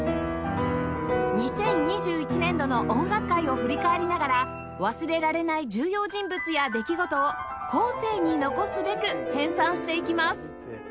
２０２１年度の音楽界を振り返りながら忘れられない重要人物や出来事を後世に残すべく編纂していきます